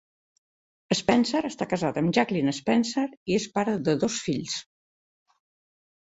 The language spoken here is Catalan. Spencer està casat amb Jacklyn Spencer i és pare de dos fills.